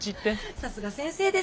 さすが先生です。